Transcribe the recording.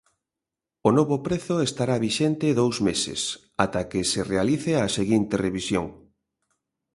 O novo prezo estará vixente dous meses, ata que se realice a seguinte revisión.